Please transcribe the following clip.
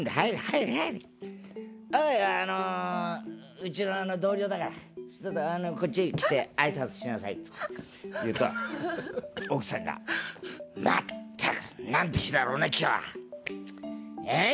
うちの同僚だからちょっとこっちへ来てあいさつしなさい」って言うと奥さんが「全くなんて日だろうね今日は。えっ？